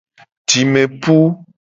Jime pu.